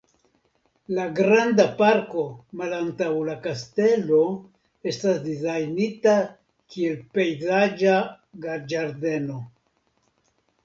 La granda parko malantaŭ la kastelo estas dizajnita kiel pejzaĝa ĝardeno.